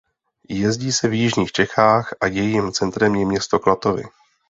Jezdí se v jižních Čechách a jejím centrem je město Klatovy.